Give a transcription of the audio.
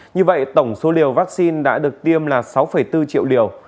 như vậy tổng số liều vaccine đã được tiêm là sáu bốn triệu liều